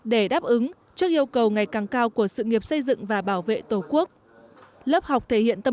để đáp ứng trước yêu cầu ngày càng cao của sự nghiệp xây dựng và bảo vệ tổ quốc